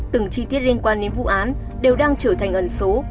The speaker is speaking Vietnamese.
từng chi tiết liên quan đến vụ án đều đang trở thành ẩn số